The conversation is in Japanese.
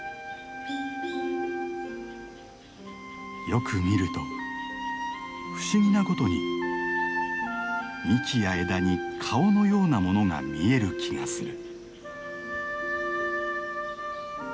よく見ると不思議なことに幹や枝に顔のようなものが見える気がする。